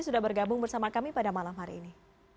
sudah bergabung bersama kami pada malam hari ini